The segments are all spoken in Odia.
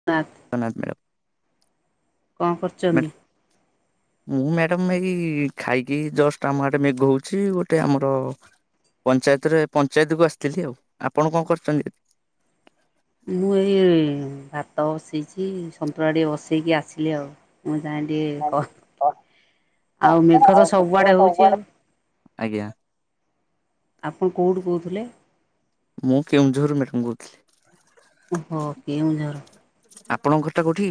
[unintelligible] ପ୍ରଣାତ ମ୍ୟାମ୍। କଁ କରୁଛନ୍ତି? ମୁଁ ମ୍ୟାଡାମ ଏଇ ଖାଇକି ଜଷ୍ଟ ଆମ ଆଡେ ମେଘ ହଉଛି ଗୋଟେ ଆମର ପଞ୍ଚାୟତରେ ପଞ୍ଚାୟତକୁ ଆସିଥିଲି ଆଉ, ଆପଣ କଣ କରୁଛନ୍ତି? ମୁଁ ଏଇ ଭାତ ବସେଇଛି ସନ୍ତୁଳା ଟିକେ ବସେଇକି ଆସିଲି ଆଉ। ମୁଁ ଯାଏଁ ଟିକେ କ ଆଉ ମେଘ ତ ସବୁଆଡେ ହଉଚି ଆଉ। ଆଜ୍ଞା ଆପଣ କଉଠୁ କହୁଥିଲେ? ମୁଁ କେଉଁଝର ମ୍ୟାଡ଼ାମ କହୁଥିଲି। ଅହ କେଉଁ ଝର। ଆପଣଙ୍କ ଘରଟା କୋଉଠି?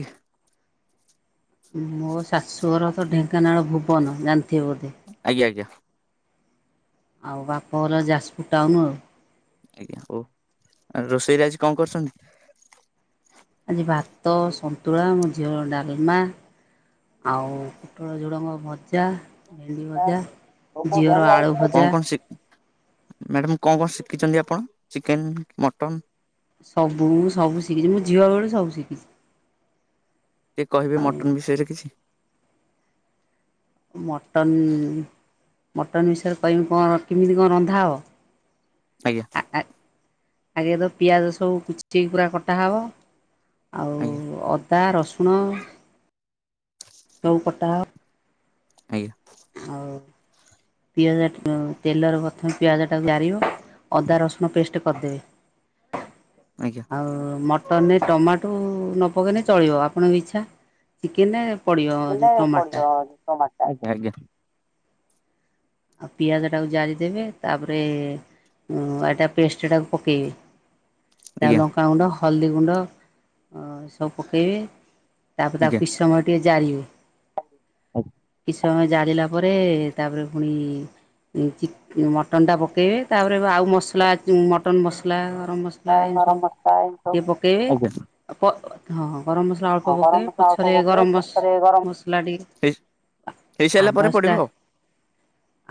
ମୋ ଶାଶୁଘର ତ ଢେଙ୍କାନାଳ ଭୁବନ ଜାଣିଥିବ ବୋଧେ। ଆଜ୍ଞା ଆଜ୍ଞା। ଆଉ ବାପ ଘର ଯାଯପୁର ଟାଉନୁ ଆଉ। ଆଜ୍ଞା ହଉ ରୋଷେଇରେ ଆଜି କଁ କରଛନ୍ତି? ଆଜି ଭାତ ସନ୍ତୁଳା ମୋ ଝିଅର ଡାଲମା। ଆଉ ପୋଟଳଝୁଡ଼ଙ୍ଗ ଭଜା ଭେଣ୍ଡି ଭଜା ଝିଅର ଆଳୁ କଣ ଭଜା। କଣ ଶି ମ୍ୟାଡ଼ାମ କଣ କଣ ଶିଖିଛନ୍ତି ଆପଣ ଚିକେନ୍ ମଟନ୍? ସବୁ ମୁଁ ସବୁ ଶିଖିଛି ମୁଁ ଝିଅ ବେଳୁ ସବୁ ଶିଖିଛି। ଟିକଏ କହିବେ ଆଉ ମଟନ୍ ବିଷୟରେ କିଛି? ମଟନ୍ ମଟନ୍ ବିଷୟରେ କହିବି କଣ କେମିତି କଣ ରନ୍ଧା ହବ? ଆଜ୍ଞା। ଆ ଆଗେ ତ ପିଆଜ ସବୁ କିୁଚି ପୁରା କଟାହବ। ଆଜ୍ଞା ଆଉ ଅଦା ରସୁଣ ସବୁ ବଟା ହ ଆଜ୍ଞା। ଆଉ ପିଆଜ ତେଲର ପ୍ରଥମେ ପିଆଜ ଟାକୁ ଜାରିବ। ଅଦା ରସୁଣ ପେଷ୍ଟ କରିଦେବେ, ଆଜ୍ଞା ଆଉ ମ ଟନ ରେ ଟମାଟୋ ନ ପକାଇଲେ ଚଳିବ ଆପଣଙ୍କ ଇଚ୍ଛା ଚିକେନରେ ପଡ଼ିବ ଯେଉଁ ହେଲେ ଟମାଟୋଟା ପଡିବ ଟମାଟ ଟା ଆଗେ, ଆଜ୍ଞା। ଆଉ ପିଆଜଟାକୁ ଜାରିଦେବେ ତାପରେ ଏଟା ପେଷ୍ଟଟାକୁ ପକେଇବେ। ତା ଆଜ୍ଞା ଲଙ୍କାଗୁଣ୍ଡ ହଳଦୀ ଗୁଣ୍ଡ ସବୁ ପକେଇବେ। ତାପରେ ତାକୁ କିଛି ସମୟ ଟିକେ ଜାରିବେ। ଆଉ କିଛି ସମୟ ଜାରିଲା ପରେ ତାପରେ ପୁଣି ଚି ମଟନ୍ଟା ପକେଇବେ ତାପରେ ଆଉ ମସଲା ମଟନ୍ ମସଲା ଗରମ ମସଲା ଲା ଏନ୍ତି ସବୁ ଟିକେ ପକେଇବେ, ଆଜ୍ଞା ଆଜ୍ଞା ଆ ପ ହଁ ହଁ ଗରମ ମସଲା ଅଳ୍ପ ପକେଇବ, ପଛରେ ଗରମ ମସ ମସଲାଟି ହେଇ ହେଇସାରିଲା ପରେ ପଡିବ ଆ-ଆବାସଟା ଆଉ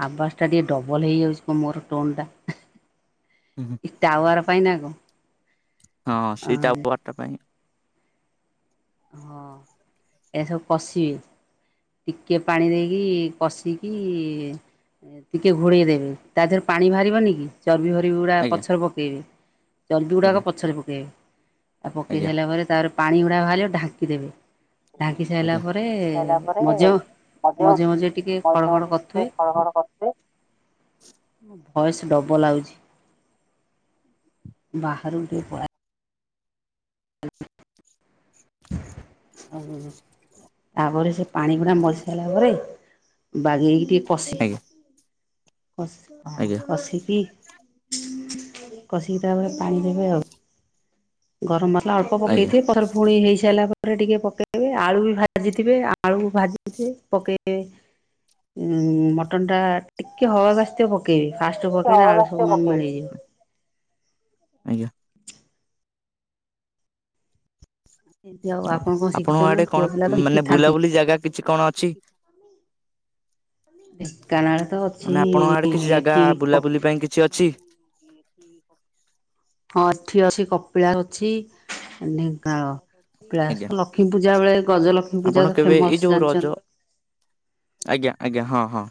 ଆବାଜ ଟା ଟିକେ ଡବଲ ହେଇଯାଉଚି କ ମୋର ଟୋନ୍ ଟା। ଏ ଟାୱର ପାଇଁ ନା କଁ? ହଁ ସେଇ ଟାବାରଟା ପାଇଁ। ହଁ ଏସବୁ ପସିଏ। ଟିକେ ପାଣି ଦେଇକି କଷିକି ଟିକେ ଘୋଡ଼େଇ ଦେବେ ତା ଦେହରେ ପାଣି ବାହାରିବନି କି। ଚର୍ବି ଫରବି ଗୁଡ଼ାକ ଆଜ୍ଞା ପଛରେ ପକେଇବେ ଚର୍ବି ଆଜ୍ଞା ଗୁଡ଼ାକ ପଛରେ ପକେଇବେ। ଆ ପକେଇ ଆଜ୍ଞା ସାଇଲା ପରେ ତାରେ ପାଣି ଗୁଡ଼ା ବାହାରିବ ଢାଙ୍କି ଦେବେ। ଢାଙ୍କି ସାଇଲା ଆଜ୍ଞା। ପରେ ହେଲା ପରେ ମଜ୍ ମଝିରେ ମଝେ ମଝେ ଟିକେ ମଝିରେ ଖଡ଼ ଖଡ଼ ମଝିରେ ଟିକେ କରୁଥୁଏ। ହଳ ହଳ କରିଥିଲେ। ଭଏସ ଡବଲ ଆଉଚି। ବାହାରକୁ ଟିକେ ପଳାଏ। [unintelligible] ଉଁ ହୁଁ ହୁଁ। ତାପରେ ସେ ପାଣି ପୁଣା ମରି ସାରିଲା ପରେ ବାଗେଇକି ଟିକେ କସି ଆଜ୍ଞା କସ୍ ହଁ ଆଜ୍ଞା କସି କି କଷିକି ତା ପରେ ପାଣି ଦେବେ ଆଉ। ଗରମ୍ ମସଲା ଅଳ୍ପ ଆଜ୍ଞା ପକେଇଥିବ ପଛରେ ପୁଣି ହେଇସାଇଲା ପରେ ଟିକେ ପକେଇବେ ଆଳୁ ବି ଭାଜିଥିବେ ଆଳୁ ଭାଜିଥିବେ ପକେଇବେ। ମଟନ୍ ଟା ଟିକିେ ହବାକୁ ଅସ୍ତିବ ପକେଇବେ। ଫାଷ୍ଟ ରୁ ପକେଇନା ଆଳୁ ସବୁ ନ ଆଜ୍ଞା ମିଳେଇଯିବ। ଆଜ୍ଞା। ଏମିତି ଆଉ ଅଉ ଆପଣ କଣ ଆପଣଙ୍କ ଶିଖିଛନ୍ତି ନା ଆଡେ ପୁଅ ପିଲା ତ କଣ ମାନେ ଶିଖିଥାନ୍ତି। ବୁଲାବୁଲି ଜାଗା କିଛି କଣ ଅଛି? ଢେଙ୍କାନାଳ ତ ଅଛି ମାନେ ଆପଣଙ୍କ ଆଡେ କିଛି ଜାଗା ଏଠି ହଁ ବୁଲାବୁଲି ପାଇଁ କିଛି ଅଛି? ହଁ ଏଠି ଅଛି କପିଳା ଅଛି। ଢେଙ୍କାଳ ଆଜ୍ଞା ଅପିଳାସ ଲକ୍ଷ୍ମୀ ପୂଜା ବେଳେ ଗଜ ଲକ୍ଷ୍ମୀ ଆପଣ ପୂଜା ତ କେବେ ଏଇ ଫେମସ୍ ଯୋଉ ରଜ ଜାଣିଚନ୍ ଆଜ୍ଞା ଆଜ୍ଞା ହଁ ହଁ।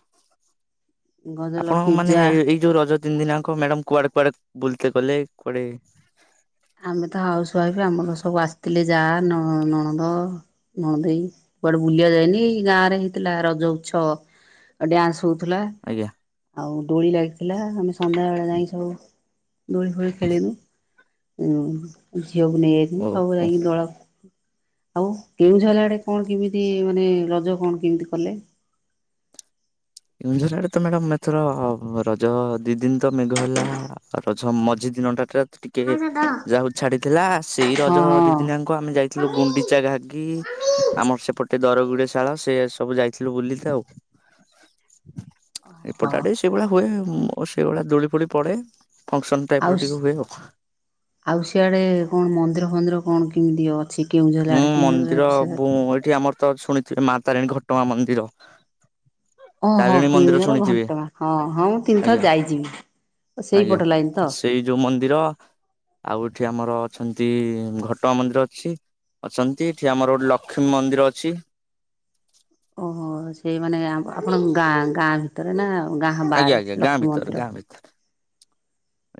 ଆପଣଙ୍କ ଗଜଲକ୍ଷ୍ମୀ ମାନେ ପୂଜା ଏଇ ଯୋଉ ରଜ ତିନି ଦିନାଙ୍କ ମ୍ୟାଡାମ୍ କୁଆଡେ କୁଆଡେ ବୁଲତେ ଗଲେ କୁଆଡେ ଆମେ ତ ହାଉସ ୱାଇଫ୍ ଆମର ସବୁ ଆସିଥିଲେ ଯା ନ ନଣନ୍ଦ ନଣଦେଇ କୁଆଡେ ବୁଲିବା ଯାଇନି ଏଇ ଗାଁ ରେ ହେଇଥିଲା ରଜ ଉଛବ ଆ ଡ୍ୟାନ୍ସ୍ ହଉଥିଲା। ଆଜ୍ଞା ଆଉ ଦୋଳି ଲାଗିଥିଲା ଆମେ ସନ୍ଧ୍ୟା ବଳେ ଯାଇଁ ସବୁ ଦୋଳି ଫୋଳି ଖେଳିନୁ। ଉଁ ଝିଅକୁ ନେଇ ଓ ଯାଇଥିନି। ସବୁ ଓ ଯାଇକି ଦୋଳ ଆଉ କେଉଁଝର୍ ଆଡେ କଣ କିମିତି ମାନେ ରଜ କଣ କିମିତି କଲେ? କେଉଁଝର୍ ଆଡେ ତ ମ୍ୟାଡ଼ାାମ ଏଥର ରଜ ଦି ଦିନ ତ ମେଘ ହେଲା ରଜ ମଝି ଦିନଟା ଟ୍ରା ଟିକେ ହଁ ଯାହଉ ଛାଡିଥିଲା ସେଇ ରଜ ଦିଦିନିଆଙ୍କ କୁ ଆମେ ଯାଇଥିଲୁ ଗୁଣ୍ଡିଚା ଘାଗି ଆମର ସେପଟେ ଦରଗୁଡିଏ ଶାଳ ସେ ସବୁ ଯାଇଥିଲୁ ବୁଲିତେ ଆଉ। ଓହୋ ଏପଟାଡେ ସେଇଭଳିଆ ହୁଏ ଓ ସେଇଭଳିଆ ଦୋଳି ଫୋଳି ପଡେ। ଫଙ୍କ୍ସନ ଟାଇପ୍ ଆଉ ର ଟିକେ ହୁଏ ଆଉ। ଆଉ ସିଆଡେ କଣ ମନ୍ଦିର ଫନ୍ଦିର କଣ କିମିତି ଅ ହୁଁ, ମନ୍ଦିର ବୁଁ ଏଠି ଆମର ତ ଶୁଣିଥିବେ ମା ତାରିଣୀ ଘଟଗାଁ ମନ୍ଦିର। ଓହୋ ତାରିଣୀ ମନ୍ଦିର କେଉଁଜର ଶୁଣିଥିବେ ଘଟଗାଁ ହଁ ହଁ ମୁଁ ତିନିଥର ଆଜ୍ଞା ଯାଇଚି ଆଜ୍ଞା ସେଇପଟ ଲାଇନ୍ ତ। ସେଇ ଯୋଉ ମନ୍ଦିର, ଆଉ ଏଠି ଆମର ଅଛନ୍ତି ଘଟଗାଁ ମନ୍ଦିର ଅଛି। ଅଛନ୍ତି। ଏଠି ଆମର ଗୋଟେ ଲକ୍ଷ୍ମୀ ମନ୍ଦିର ଅଛି। ଓହୋ, ସେ ମାନେ ଆପଣଙ୍କ ଗାଁ ଗାଁ ଭିତରେ ନା ଗାଁ ବାହାରେ ଲକ୍ଷ୍ମୀ ମନ୍ଦିର?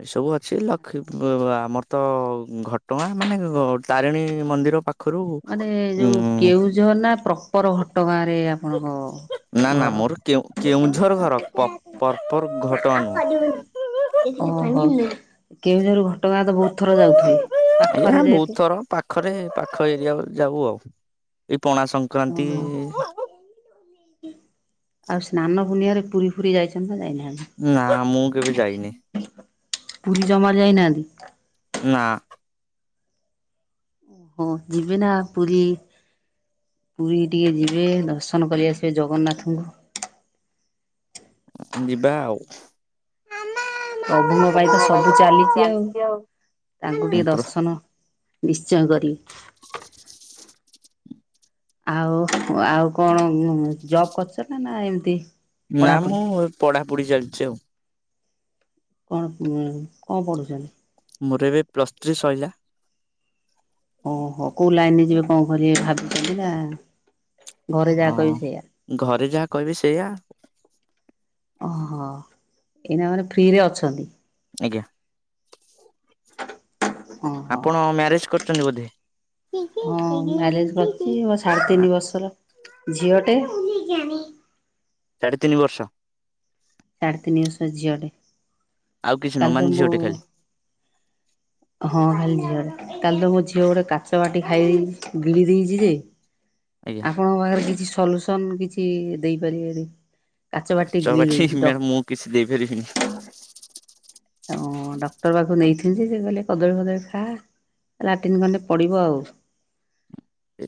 ଏଇସବୁ ଅଛି ଲକ୍ଷ୍ମୀ ବ ବ ଆମର ତ ଘଟଗାଁ ମାନେ ତାରିଣୀ ମନ୍ଦିର ପାଖ ମାନେ ଯୋଉ କେଉଝର ନା ପ୍ରପର ଘଟଗାଁ ରେ ଆପଣଙ୍କ ନା ନା ଘର। ମୋର କେଁ କେଉଁଝର ଘର ପର୍ପର୍ ଘଟଗାଁ ନୁହଁ। ଓହୋ କେଉଁଝର ଘଟଗାଁ ତ ବହୁତ ଥର ଯାଉଥିବେ। ପାଖରେ ଏଇଆ ଯେହେତୁ ବହୁତ ଥର ପାଖରେ ପାଖ ଏରିଆ ବୋଲି ଯାଉ ଆଉ। ଏଇ ପଣାଶଙ୍କ ହଁ। ଆଉ ସ୍ନାନ ପୂର୍ଣ୍ଣିମାରେ ପୁରୀ ଫୁରୀ ଯାଇଚନ୍ତି ନା ଯାଇନାହାନ୍ତି? ନା ମୁଁ କେବେ ଯାଇନି। ପୁରୀ ଜମାରୁ ଯାଇନାହାନ୍ତି। ନା। ହଁ ଯିବେ ନା ପୁରୀ। ପୁରୀ ଟିକେ ଯିବେ। ଦର୍ଶନ କରି ଆସିବେ ଜଗନ୍ନାଥଙ୍କୁ। ଜିିବା ଆଉ। ପ୍ରଭୁଙ୍କ ପାଇଁ ତ ସବୁ ଚାଲିଚି ଆଉ। ତାଙ୍କୁ ହଁ ଟିକେ ପ୍ର ଦର୍ଶନ ନିଶ୍ଚୟ କରିବି। ଆଉ ଆଉ କଣ ଜବ କରଚ ନା ନା ଏମତି ନା ମୁଁ ପଢାପଢି ଚାଲିଚି ଆଉ। କଣ, କଣ ପଢ଼ୁଚନ୍ତି? ମୋର ଏବେ ପ୍ଲସ୍ ଥ୍ରୀ ସଇଲା। ଓହୋ, କୋଉ ଲାଇନରେ ଯିବେ ନା କଣ କରିବେ ଭାବିଚନ୍ତି ନା ଘରେ ହଁ ଯାହା କହିବେ ସେଇଆ। ଘରେ ଯାହା କହିବେ ସେଇଆ। ଓହୋ ଏଇନା ମାନେ ଫ୍ରିରେ ଅଛନ୍ତି। ଆଜ୍ଞା। ଓହୋ। ଆପଣ ମ୍ୟାରେଜ୍ କରିଚନ୍ତି ବୋଧେ? ହଁ ମ୍ୟାରେଜ କରିଚି ମୋ ସାଢେ ତିନି ବର୍ଷର ଝିଅ ଟେ। ସାଢ଼େ ତିନି ବର୍ଷ? ସାଢେ ତିନି ବର୍ଷ ର ଝିଅ ଟେ। ଆଉ କିଛି କା ନୁହଁ ତ ମାନେ ମୁଁ ଝିଅଟେ ଖାଲି ହଁ ଖାଲି ଝିଅ, କାଲି ତ ମୋ ଝିଅ ଗୋଟେ କାଚ ବାଟି ଖାଇ ଗିଳି ଦେଇଚି ଯେ ଆଜ୍ଞା। ଆପଣଙ୍କ ପାଖରେ କିଛି ସଲୁସନ କିଛି ଦେଇପାରିବେ କାଚ ବାଟି ଗିଳି ଦେଇଚି ଡ କିଛି ଦେଇପାରିବିନି। ହ ଡକ୍ଟର ପାଖକୁ ନେଇଥିନି ଯେ ସେ କହିଲେ କଦଳୀ ଫଦଳୀ ଖା ଲାଟିନ୍ ଗନେ ପଡିବ ଆଉ।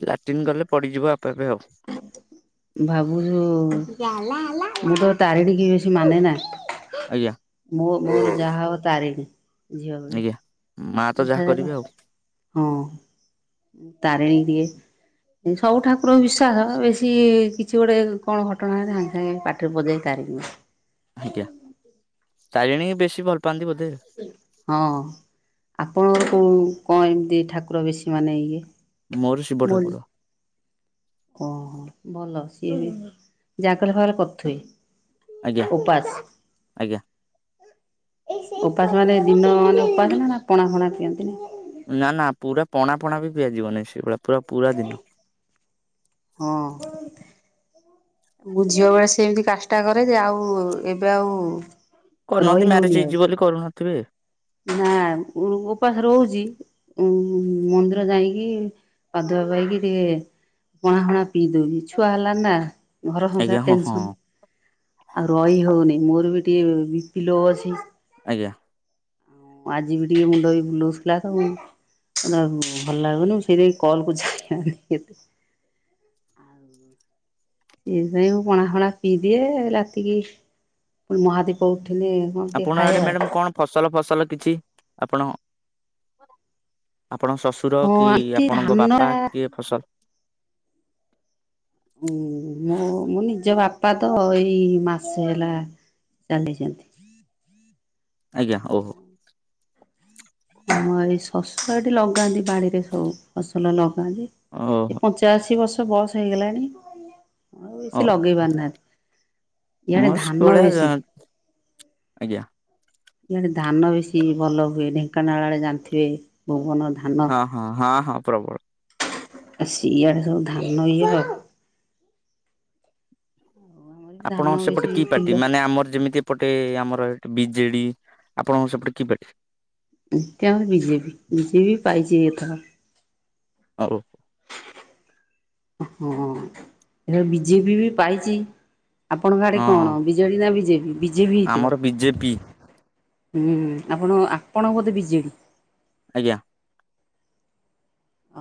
ଲାଟିନ୍ ଗଲେ ପଡିଯିବ ଆପେ ଆପେ ଆଉ। ଭାବୁଚୁ, ମୁଁ ତ ତାରିଣୀ କି ବେଶୀ ମାନେ ନା। ଆଜ୍ଞା ମୁଁ ମୋର ଯାହା ହବ ତାରିଣୀ। ଝିଅ ବେଳୁ ଆଜ୍ଞା। ମା ତ ଯାହା କରିବେ ଆଉ [inaudible] ହଁ ତାରିଣୀ ଦିଏ ସବୁ ଠାକୁରଙ୍କୁ ବିଷ ତାର ବେଶୀ କିଛି ଗୋଟେ କଣ ଘଟଣା ହେଲେ ସାଙ୍ଗେ ସାଙ୍ଗେ ପାଟିରେ ପଶିଯାଏ ତାରିଣୀ ମା। ଆଜ୍ଞା, ତାରିଣୀଙ୍କୁ ବେଶୀ ଭଲ ପାଆନ୍ତି ବଧେ? ହଁ ଆପଣ କ କଣ ଏମିତି ଠାକୁର ବେଶୀ ମାନେ ଇଏ? ମୋର ଶିବ ଠାକୁର। ଓହୋ ଭଲ ସିଏ ବି ଜା [unintelligible] ପଥେ ଆଜ୍ଞା ଉପାସ ଆଜ୍ଞା ଉପାସ ମାନେ ଦିନ ମାନେ ଉପାସ ନା ପଣା ଫଣା ପିଅନ୍ତି ନା? ନା ନା ପୁରା ପଣା ଫଣା ବି ପିଆଯିବ ନାହିଁ ସେଇଭଳିଆ ପୁରା, ପୁରା ଦିନ। ହଁ। ମୁଁ ଝିଅ ବେଳେ ସେମିତି କାଷ୍ଟା କରେ ଯେ ଆଉ ଏବେ ଆଉ ରହି କରୁନାହାନ୍ତି, ହଉନି ମ୍ୟାରେଜ ଆଉ ହେଇଯିବ ବୋଲି କରୁନଥିବେ। ନା ଉପାସ ରହୁଚି ଉ ମନ୍ଦିର ଯାଇକି, ପାଦୁଆ ପାଇକି ଟିକେ ପଣା ହଣା ପିଇ ଦଉଛିି, ଛୁଆ ହେଲା ନା! ଘର ଆଜ୍ଞା ସଂସାର ହଁ ହଁ ଟେନସନ। ଆଉ ରହି ହଉନି, ମୋର ବି ଟିକେ ବିପି ଲୋ ଅଛି। ଆଜ୍ଞା। ଆଜିିବି ଟିକେ ମୁଣ୍ଡ ବି ବୁଲଉଥିଲା ତ ଆଉ ଭଲ ଲାଗୁନି, ସେଇଥିପାଇଁ କଲ୍ କୁ [unintelligible] ଏତେ। ଆଉ ସେଇଥିପାଇଁ ମୁଁ ପଣା ହଣା ପିଇଦିଏ ରାତିକି ମହାଦୀପ ଉଠିଲେ କଣ ଟିକେ ଆପଣ ଖାଏ ଆଡେ ଆଉ ମ୍ୟାଡମ୍ କଣ ଫସଲ ଫସଲ କିଛି? ଆପଣ, ଆପଣ ଶଶୁ ଶଶୁର ହଁ କି ଏଠି ଆପଣଙ୍କ ଧାନ ବାପା କିଏ ଫସଲ ଉ ମୋ, ମୋ ନିଜ ବାପା ତ ଏଇ ମାସେ ହେଲା ଚାଲିଯାଇଛନ୍ତି। ଆଜ୍ଞା, ଓ ହୋ। ଆମ ଏଇ ଶଶୁର ଏଠି ଲଗାନ୍ତି ବାଡିରେ ସବୁ, ଫସଲ ଲଗାନ୍ତି। ଏ ଓହୋ ପଞ୍ଚାଅଶୀ ବର୍ଷ ବୟସ ହେଇଗଲାଣି ଆଉ ଓ ବେଶୀ ଲଗେଇ ପାରୁନାହାନ୍ତି, ଇଆଡେ ମୁଁ ଧାନ ସେଭଳିଆ ବେଶୀ। ଆଜ୍ଞା। ଇଆଡେ ଧାନ ବେଶୀ ଭଲ ହୁଏ, ଢେଙ୍କାନାଳ ଆଡେ ଜାଣିଥିବେ, ଭୁବନ ଧାନ ହଁ ହଁ ହଁ ପ୍ରବଳ। ସିଆଡେ ସବୁ ଧାନ ଇଏ ହଏ ଆମର ବି ଧାନ ଆପଣ ବେଶୀ ସେପଟେ କି ବିଲ ପାର୍ଟି? ମାନେ ଆମର ଯେମିତି ଏପଟେ ଆମର ଏଠି ବିଜେଡି, ଆପଣଙ୍କ ସେପଟେ କି ପାଟି? ଏଠି ଆମର ବିଜେପି, ବିିଜେପି ପାଇଚି ବି ଏଥର। ହଉ। ହଁ, ଏ ବିଜେପି ବି ପାଇଚି, ଆପଣଙ୍କ ଆଡେ ହଁ କଣ? ବିଜେଡି ନା ବିଜେପି? ବିଜେପି ଆମର ହେଇଥିବ। ବିଜେପି ହୁଁ, ଆପଣ ଆପଣ ବୋଧେ ବିଜେଡି? ଆଜ୍ଞା।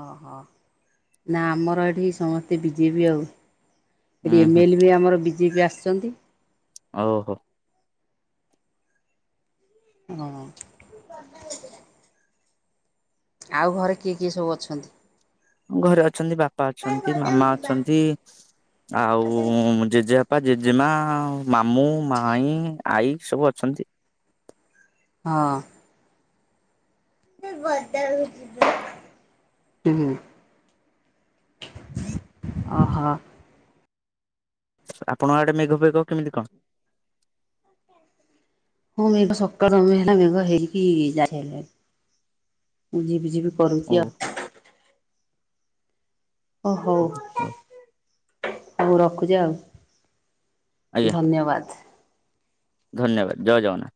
ଅହ, ନା ଆମର ଏଠି ସମସ୍ତେ ବିଜେପି ଆଉ। ହୁଁ ଏଠି ହୁଁ ଏମ୍ଏଲ୍ ବି ଆମର ବିଜେପି ଆସିଛନ୍ତି। ଓହୋ। ହଁ। ଆଉ ଘରେ କିଏ କିଏ ସବୁ ଅଛନ୍ତି? ଘରେ ଅଛନ୍ତି ବାପା ଅଛନ୍ତି, ଗଦାକୁ ମାମା ଯିବା ଅଛନ୍ତି ଗଦାକୁ ଯିବା। ଆଉ ଜେଜେବାପା, ଜେଜେମା, ମାମୁଁ, ମାଇଁ, ଆଈ ସବୁ ଅଛନ୍ତି। ହଁ। ହୁଁ। ଓ ହୋ। ଆପଣଙ୍କ ଆଡେ ମେଘ ଫେଘ କେମିତି କଣ? ହଁ ମେଘ ସତର ଦିନ ମେଘ ହେଇକି [unintelligible] ମୁଁ ଯିବି ଯିବି ଓ କରୁଛି ଆଉ। ଓ ହଉ ହଉ ହଉ ରଖୁଛି ଆଉ। ଆଜ୍ଞା ଧନ୍ୟବାଦ। ଧନ୍ୟବାଦ ଜୟ ଜଗନ୍ନାଥ।